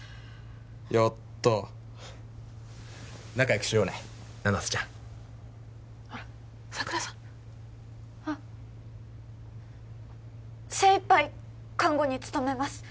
やった仲良くしようね七瀬ちゃんほら佐倉さんあっ精いっぱい看護に努めます